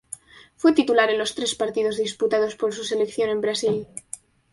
Fue titular en los tres partidos disputados por su selección en Brasil.